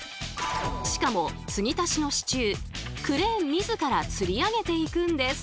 しかも継ぎ足しの支柱クレーン自ら吊り上げていくんです。